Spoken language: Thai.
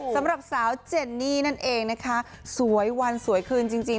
สำหรับสาวเจนนี่นั่นเองนะคะสวยวันสวยคืนจริง